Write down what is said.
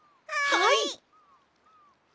はい！